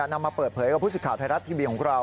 นำมาเปิดเผยกับผู้สิทธิ์ไทยรัฐทีวีของเรา